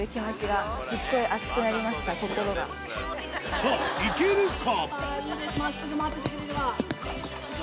さぁいけるか？